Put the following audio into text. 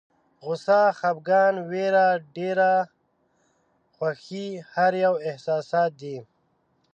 غوسه، خپګان، ویره، ډېره خوښي هر یو احساسات دي.